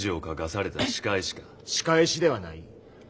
仕返しではない。